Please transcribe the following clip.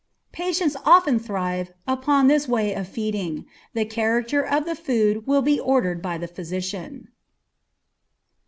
Patients often thrive upon this way of feeding. The character of the food will be ordered by the physician.